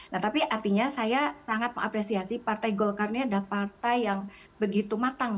nah tapi artinya saya sangat mengapresiasi partai golkarne dan partai yang begitu